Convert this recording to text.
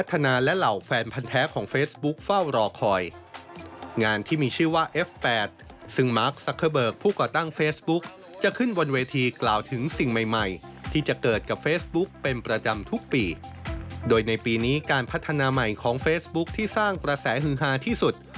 ตรงประแสหึงฮาที่สุด